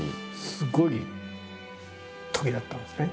すごいときだったんですね。